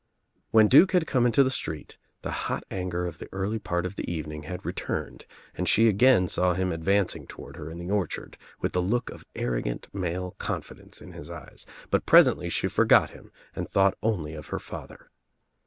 When Duke had come into the street the hot anger of the early part of the evening had returned and she again saw him advancing toward her in the orchard with the look of arrogant male confidence in his eyes but presently she forgot him and thought only of her father.